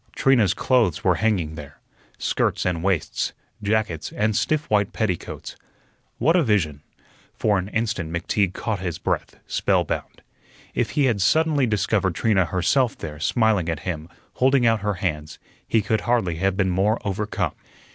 Trina's clothes were hanging there skirts and waists, jackets, and stiff white petticoats. What a vision! For an instant McTeague caught his breath, spellbound. If he had suddenly discovered Trina herself there, smiling at him, holding out her hands, he could hardly have been more overcome.